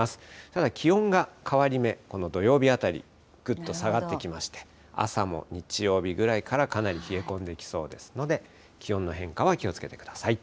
ただ、気温が変わり目、この土曜日あたり、ぐっと下がってきまして、朝も日曜日ぐらいからかなり冷え込んできそうですので、気温の変化は気をつけてください。